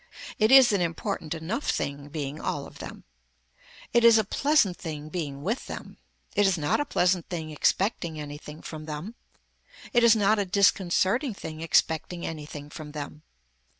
It is an important enough thing being all of them. It is a pleasant thing being with them. It is not a pleasant thing expecting anything from them. It is not a disconcerting thing expecting anything from them.